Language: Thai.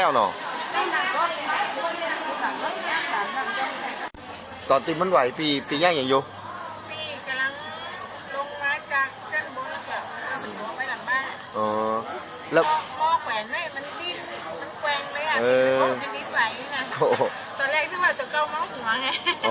ตอนอ่อะตอนตี้มันไหวพี่พี่อย่างยังเยอะพี่กำง